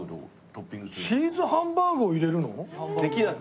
チーズハンバーグを入れるの？